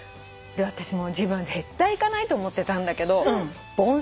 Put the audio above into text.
私も自分は絶対いかないと思ってたんだけど盆栽。